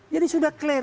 jadi sudah clear